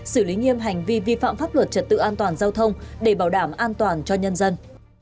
xử lý nghiêm hành vi vi phạm pháp luật trật tự an toàn giao thông để bảo đảm an toàn cho nhân dân